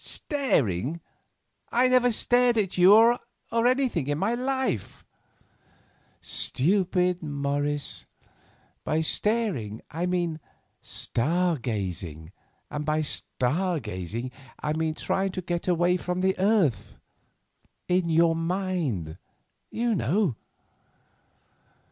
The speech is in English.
"Staring? I never stared at you or anyone else, in my life!" "Stupid Morris! By staring I mean star gazing, and by star gazing I mean trying to get away from the earth—in your mind, you know."